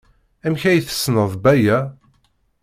Amek ay tessneḍ Baya?